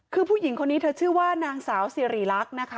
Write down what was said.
คือผู้หญิงคนนี้เธอชื่อว่านางสาวสิริรักษ์นะคะ